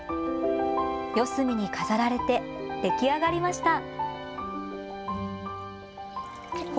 四隅に飾られて出来上がりました。